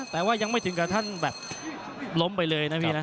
แต่ว่ายังไม่ถึงกับท่านแบบล้มไปเลยนะพี่นะ